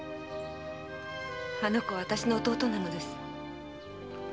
あの子はわたしの弟なのです。